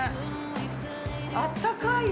◆あったかいよ。